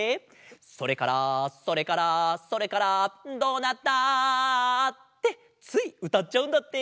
「それからそれからそれからどうなった？」ってついうたっちゃうんだって！